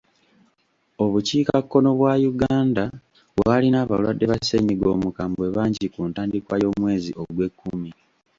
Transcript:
Obukiikakkono bwa Uganda bw'alina abalwadde ba ssennyiga omukambwe bangi ku ntandikwa y'omwezi ogw'ekkumi.